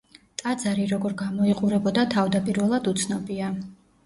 ტაძარი როგორ გამოიყურებოდა თავდაპირველად უცნობია.